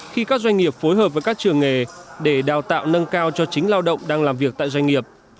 khi các doanh nghiệp phối hợp với các trường nghề để đào tạo nâng cao cho chính lao động đang làm việc tại doanh nghiệp